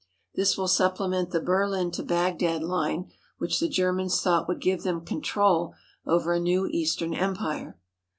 This will supplement the Berlin to Bagdad line which the Germans thought would give them control over a new eastern empire.